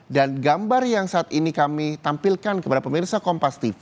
dan gambar yang saat ini kami tampilkan kepada pemirsa kompas tv